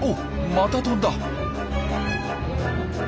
また飛んだ。